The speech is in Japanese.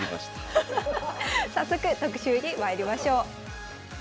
早速特集にまいりましょう。